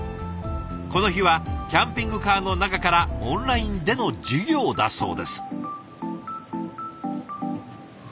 この日はキャンピングカーの中からオンラインでの授業だそうです。